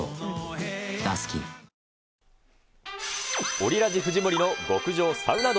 オリラジ藤森の極上サウナ道。